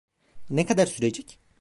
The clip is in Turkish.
Ne kadar sürecek?